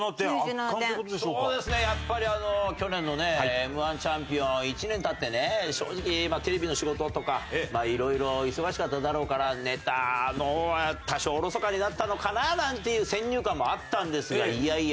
そうですねやっぱり去年のねＭ−１チャンピオン１年経ってね正直今テレビの仕事とか色々忙しかっただろうからネタの方は多少おろそかになったのかななんていう先入観もあったんですがいやいや。